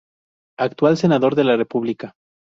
Actual Senador de la República.